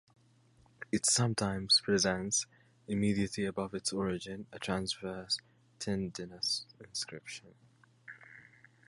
It sometimes presents, immediately above its origin, a transverse tendinous inscription.